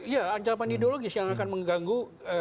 ya ancaman ideologis yang akan mengganggu